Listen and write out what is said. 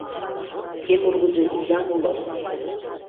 Кем ургызо изам уло